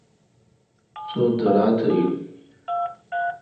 سو درا تہ اہن۔